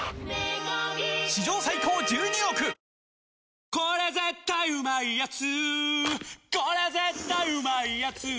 「日清これ絶対うまいやつ」